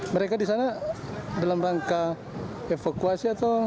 mereka di sana dalam rangka evakuasi atau